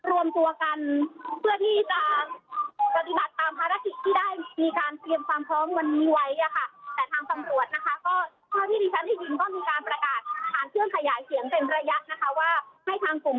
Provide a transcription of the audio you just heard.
การมาตรงตัวในครั้งนี้เป็นการกันทำผิดกฎหมายก็ค่ะ